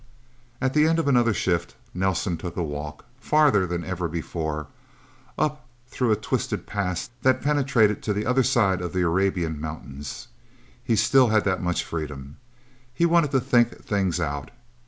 At the end of another shift, Nelsen took a walk, farther than ever before, up through a twisted pass that penetrated to the other side of the Arabian Mountains. He still had that much freedom. He wanted to think things out.